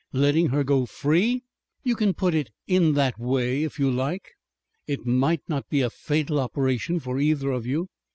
"Letting her go FREE?" "You can put it in that way if you like." "It might not be a fatal operation for either of you."